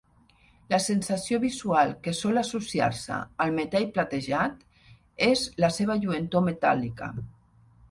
La sensació visual que sol associar-se al metall platejat és la seva lluentor metàl·lica.